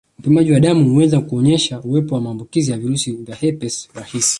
Upimaji wa damu huweza kuonyesha uwepo wa maambukizi ya virusi vya herpes rahisi